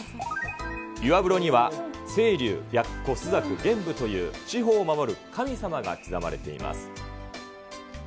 岩風呂には青龍、白虎、朱雀、玄武という、四方を守る神様が刻まれています。